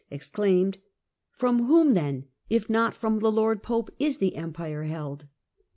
ex claimed :" From whom, then, if not from the lord Pope, is the Empire held